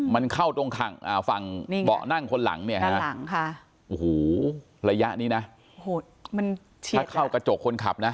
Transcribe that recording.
มันเข้าตรงฝั่งเบาะนั่งคนหลังระยะนี้นะถ้าเข้ากระจกคนขับนะ